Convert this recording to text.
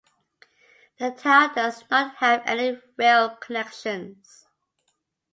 The town does not have any rail connections.